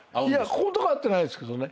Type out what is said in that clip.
ここんとこ会ってないですけどね。